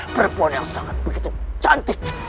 perempuan yang sangat begitu cantik